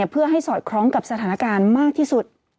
เพื่อให้สอดคล้องกับสถานการณ์มากที่สุด